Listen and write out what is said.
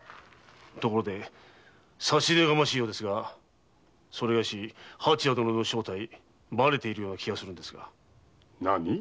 差し出がましいようですがそれがし蜂屋殿の正体ばれているような気がするのですが。